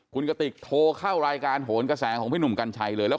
คุณกติกโทรเข้ารายการโหนกระแสของพี่หนุ่มกัญชัยเลยแล้ว